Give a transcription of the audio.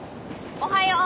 おはよう！